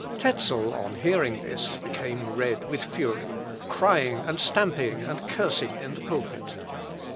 Tezel, on hearing this, became red with fury, crying, and stamping, and cursing in the pulpit.